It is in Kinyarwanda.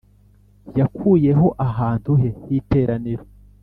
Yakuyeho ahantu he h’iteraniro.